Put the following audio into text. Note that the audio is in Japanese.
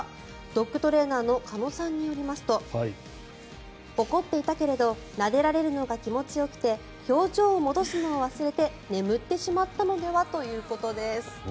ドッグトレーナーの鹿野さんによりますと怒っていたけれどなでられるのが気持ちよくて表情を戻すのを忘れて眠ってしまったのではということです。